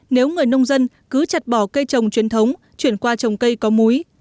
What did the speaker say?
nếu người nông dân cứ chặt bỏ cây trồng truyền thống chuyển qua trồng cây có múi